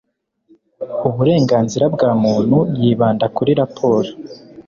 uburenganzira bwa muntu yibanda kuri raporo